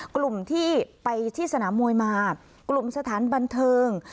กลุ่มที่ไปที่สนามมวยมากลุ่มสถานบันเทิง